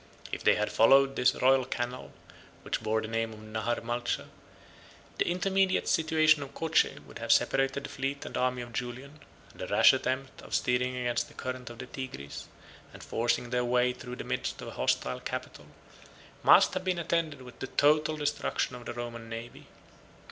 If they had followed this royal canal, which bore the name of Nahar Malcha, 66 the intermediate situation of Coche would have separated the fleet and army of Julian; and the rash attempt of steering against the current of the Tigris, and forcing their way through the midst of a hostile capital, must have been attended with the total destruction of the Roman navy.